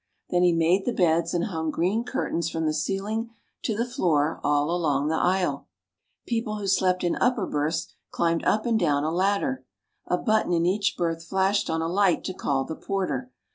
Then he made the beds and hung green curtains from the ceiling to the floor all along the aisle. People who slept in upper berths climbed up and down a ladder. A button in each berth flashed on a light to call the porter.